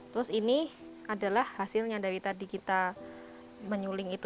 terus ini adalah hasilnya dari tadi kita menyuling itu